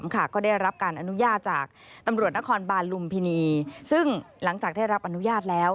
ก็ได้รับการอนุญาตจากตำรวจนครบาลลุมพินีซึ่งหลังจากได้รับอนุญาตแล้ว